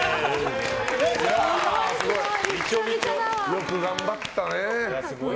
よく頑張ったね。